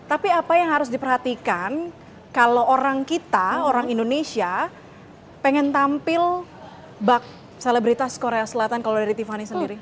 tapi apa yang harus diperhatikan kalau orang kita orang indonesia pengen tampil bak selebritas korea selatan kalau dari tiffany sendiri